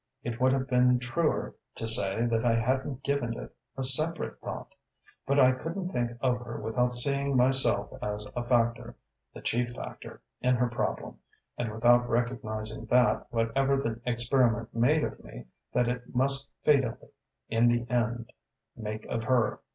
It would have been truer to say that I hadn't given it a separate thought. But I couldn't think of her without seeing myself as a factor the chief factor in her problem, and without recognizing that whatever the experiment made of me, that it must fatally, in the end, make of her.